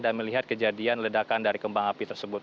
dan melihat kejadian ledakan dari kembang api tersebut